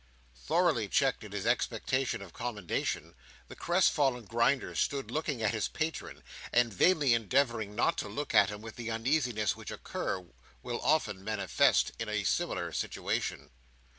Thoroughly checked in his expectations of commendation, the crestfallen Grinder stood looking at his patron, and vainly endeavouring not to look at him, with the uneasiness which a cur will often manifest in a similar situation.